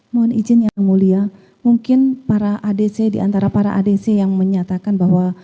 mohon izin yang mulia mungkin para adc diantara para adc yang menyatakan bahwa